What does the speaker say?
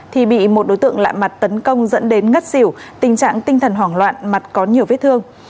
thì bị một đối tượng lạ mặt tấn công dẫn đến ngất xỉu tình trạng tinh thần hoảng loạn mặt có nhiều vết thương